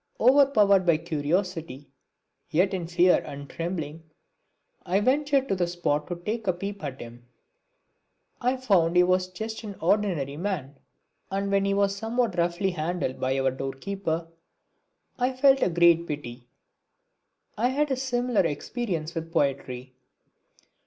Overpowered by curiosity, yet in fear and trembling, I ventured to the spot to take a peep at him. I found he was just an ordinary man! And when he was somewhat roughly handled by our door keeper I felt a great pity. I had a similar experience with poetry.